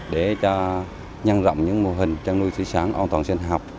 để cho nhanh rộng những mô hình chăn nuôi sữa sáng an toàn sinh học